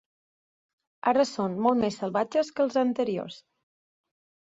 Ara són molt més salvatges que els anteriors.